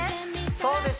そうです